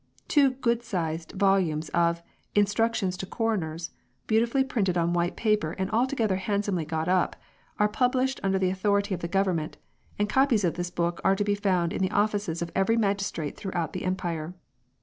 Two good sized volumes of Instructions to Coroners," beautifully printed on Avhite paper and altogether handsomely got up, are published under the authority of the Government, and copies of this book are to be found in the offices of every magistrate throughout the Empire.